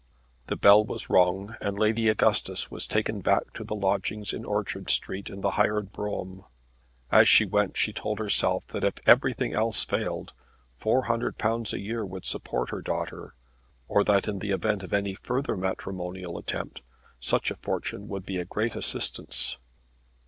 The bell was rung, and Lady Augustus was taken back to the lodgings in Orchard Street in the hired brougham. As she went she told herself that if everything else failed, £400 a year would support her daughter, or that in the event of any further matrimonial attempt such a fortune would be a great assistance.